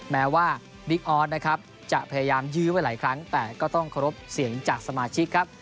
แม้ว่าบิ๊กออสนะครับจะพยายามยื้อไว้หลายครั้งแต่ก็ต้องเคารพเสียงจากสมาชิกครับ